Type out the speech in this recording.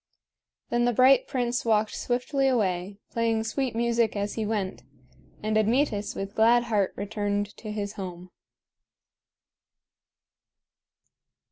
Then the bright prince walked swiftly away, playing sweet music as he went; and Admetus with glad heart returned to his home.